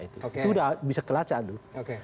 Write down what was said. itu sudah bisa kelacak